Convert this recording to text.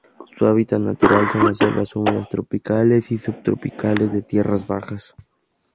Su hábitat natural son las selvas húmedas tropicales y subtropicales de tierras bajas.